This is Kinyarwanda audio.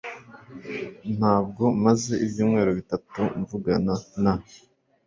Ntabwo maze ibyumweru bitatu mvugana na